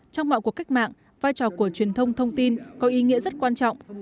trong mọi cuộc cách mạng vai trò của truyền thông thông tin có ý nghĩa rất quan trọng